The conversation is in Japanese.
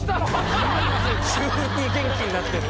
急に元気になってる。